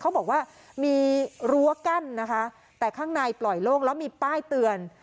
เขาบอกว่ามีรั้วกั้นนะคะแต่ข้างในปล่อยโล่งแล้วมีป้ายเตือน